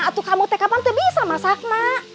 atuh kamu teh kapan teh bisa masak nak